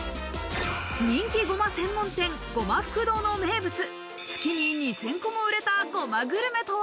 人気ごま専門店、ごま福堂の名物、月に２０００個も売れたゴマグルメとは？